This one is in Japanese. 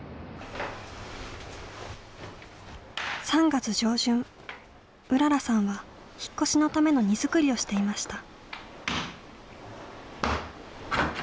３月上旬うららさんは引っ越しのための荷造りをしていました。